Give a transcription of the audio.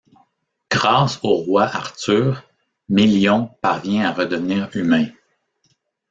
Grâce au roi Arthur, Mélion parvient à redevenir humain.